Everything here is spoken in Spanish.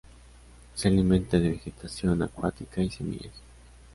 Se alimenta de vegetación acuática, y semillas.